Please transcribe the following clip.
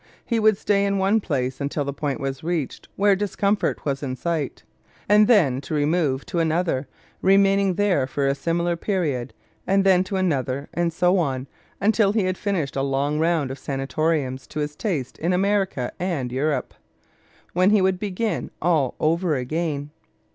He would stay in one place until the point was reached where discomfort was in sight, and then remove to another, remaining there for a similar period, and then to another, and so on, until he had finished a long round of sanatoriums to his taste in America and Europe. Then he would begin all over again.